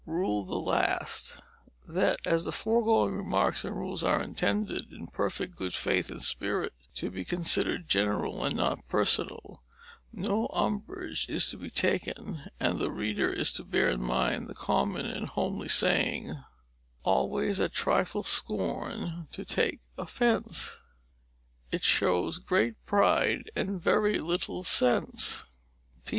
RULE THE LAST. That as the foregoing remarks and rules are intended, in perfect good faith and spirit, to be considered general and not personal, no umbrage is to be taken, and the reader is to bear in mind the common and homely saying, "Always at trifles scorn to take offence, It shows great pride and very little sense."